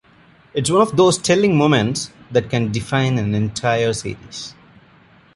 It's one of those telling moments that can define an entire series.